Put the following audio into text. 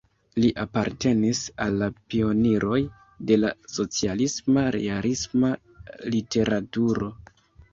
Li apartenis al la pioniroj de la socialisma-realisma literaturo.